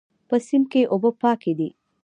په دې سیند کې اوبه پاکې دي